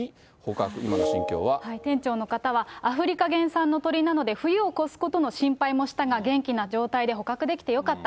店長の方は、アフリカ原産の鳥なので、冬を越すことの心配もしたが、元気な状態で捕獲できてよかった。